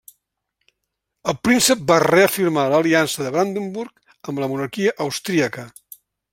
El príncep va reafirmar l'aliança de Brandenburg amb la monarquia austríaca.